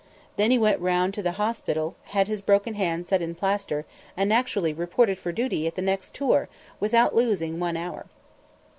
Then he went round to the hospital, had his broken hand set in plaster, and actually reported for duty at the next tour, without losing one hour.